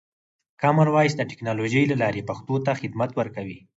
کامن وایس د ټکنالوژۍ له لارې پښتو ته خدمت ورکوي.